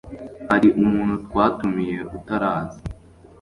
Hari umuntu twatumiye utaraza?